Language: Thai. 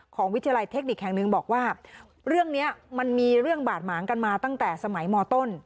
วิทยาลัยเทคนิคแห่งหนึ่งบอกว่าเรื่องนี้มันมีเรื่องบาดหมางกันมาตั้งแต่สมัยมต้น